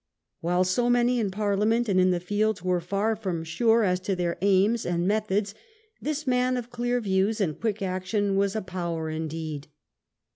While so many in Parlia ment and in the field were far from sure as to their aims and methods, this man of clear views and quick action was a power indeed.